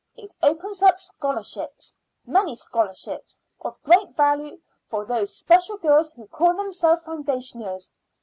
It opens up scholarships many scholarships of great value for those special girls who call themselves foundationers.